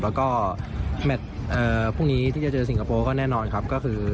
แล้วก็แมทพรุ่งนี้ที่จะเจอสิงคโปร์ก็แน่นอนครับก็คือ